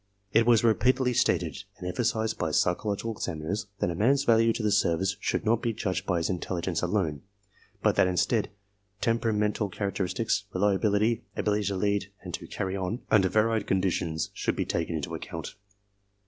It was repeatedly stated and emphasized by psychological 22 ARMY MENTAL TESTS examiners ((that a man's value to the service should not be judged by his intelligence alone, but that instead temperamental characteristics, reliability, ability to lead and to "carry on" under varied conditions should be taken into account.